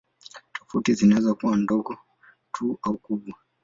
Tofauti zinaweza kuwa ndogo tu au kubwa.